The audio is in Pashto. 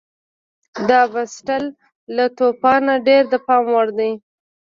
د باسټیل له توپانه ډېر د پام وړ دي.